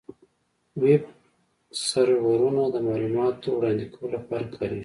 ویب سرورونه د معلوماتو وړاندې کولو لپاره کارېږي.